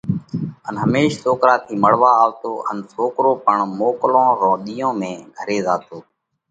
ان هميش سوڪرا ٿِي مۯوا آوتو ان سوڪرو پڻ موڪل رون ۮِيئون ۾ گھري زاتو۔